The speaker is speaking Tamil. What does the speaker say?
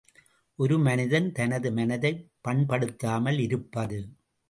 ◯ ஒரு மனிதன் தனது மனதைப் பண்படுத்தாமல் இருப்பது.